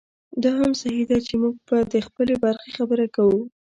دا هم صحي ده چې موږ به د خپلې برخې خبره کوو.